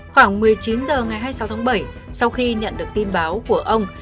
khoảng một mươi chín h ngày hai mươi sáu tháng bảy sau khi nhận được tin báo của ông